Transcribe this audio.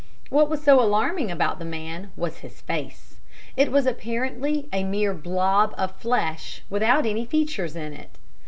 What was so alarming about the man was his face it was apparently a mere blob of flesh without any features in it.